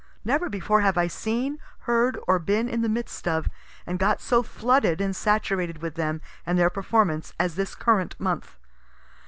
Never before have I seen, heard, or been in the midst of, and got so flooded and saturated with them and their performances, as this current month.